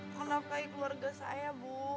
menafkahi keluarga saya bu